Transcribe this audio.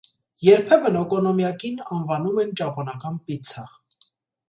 Երբեմն օկոնոմյակին անվանում են «ճապոնական պիցցա»։